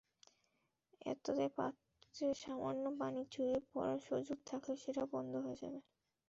এতে পাত্রে সামান্য পানি চুঁইয়ে পড়ার সুযোগ থাকলে সেটাও বন্ধ হয়ে যাবে।